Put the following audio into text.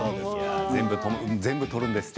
全部取るんですって